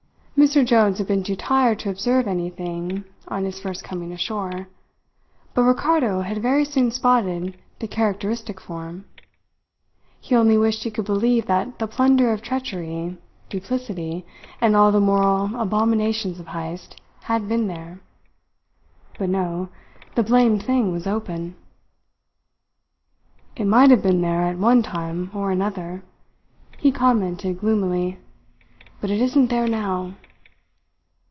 Mr. Jones had been too tired to observe anything on his first coming ashore; but Ricardo had very soon spotted the characteristic form. He only wished he could believe that the plunder of treachery, duplicity, and all the moral abominations of Heyst had been there. But no; the blamed thing was open. "It might have been there at one time or another," he commented gloomily, "but it isn't there now."